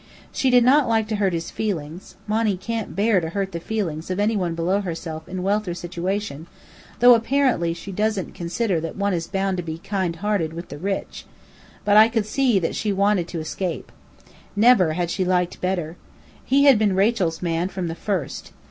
She did not like to hurt his feelings (Monny can't bear to hurt the feelings of any one below herself in wealth or station, though apparently she doesn't consider that one is bound to be kind hearted with the rich); but I could see that she wanted to escape. Never had she liked Bedr. He had been Rachel's man from the first.